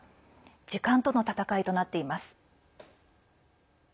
時間との闘いとなっています。